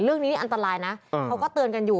เรื่องนี้นี่อันตรายนะเขาก็เตือนกันอยู่